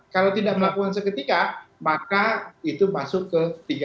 kalau tidak melakukan seketika maka itu masuk ke tiga ratus empat puluh